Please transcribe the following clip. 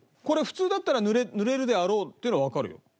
これ普通だったら濡れるであろうってのはわかるよ。